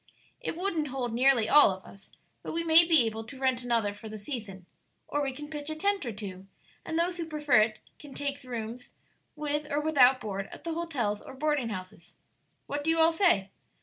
It wouldn't hold nearly all of us, but we may be able to rent another for the season, or we can pitch a tent or two, and those who prefer it can take rooms, with or without board, at the hotels or boarding houses. What do you all say?"